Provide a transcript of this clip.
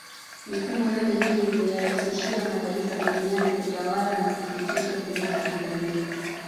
Mifumo yote hii huyarahisishia mataifa duniani kutawala na kufikisha huduma za kijamii